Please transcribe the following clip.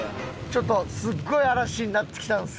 ちょっとすごい嵐になってきたんですけど。